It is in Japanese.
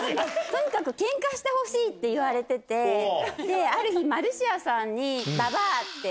とにかくけんかしてほしいって言われてて、ある日、マルシアさんに、ばばあって。